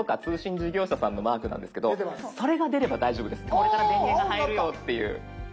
これから電源が入るよっていう。